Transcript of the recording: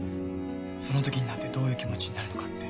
その時になってどういう気持ちになるのかって。